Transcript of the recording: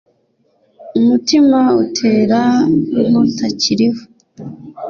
umutima utera nk’ utakiriho,